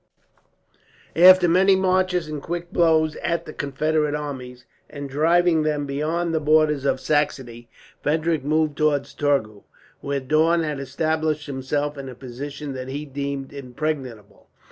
After many marches and quick blows at the Confederate armies, and driving them beyond the borders of Saxony, Frederick moved towards Torgau, where Daun had established himself in a position that he deemed impregnable.